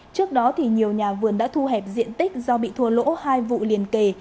trước đó nhiều nhà vườn đã thu hẹp diện tích do bị thua lỗ hai vụ liền kề